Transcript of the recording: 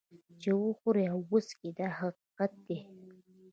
چې وخوري او وڅکي دا حقیقت دی.